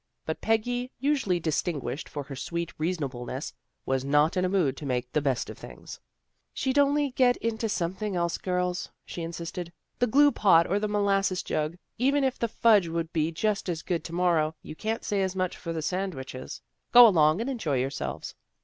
But Peggy, usually distinguished for her sweet reasonableness, was not in a mood to make the best of things. " She'd only get into something else, girls," she insisted. " The glue pot or the molasses jug. Even if the fudge would be just as good to morrow, you can't say as much for the sand wiches. Go along and enjoy yourselves."